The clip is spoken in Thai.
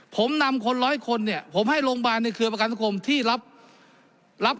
ผมนำคนร้อยคนเนี่ยผมให้โรงพยาบาลในเครือประกันสังคมที่รับรับ